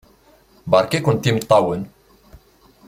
Beṛka-kent imeṭṭawen!